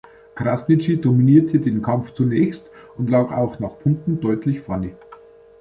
Krasniqi dominierte den Kampf zunächst und lag auch nach Punkten deutlich vorne.